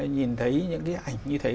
nhìn thấy những cái ảnh như thế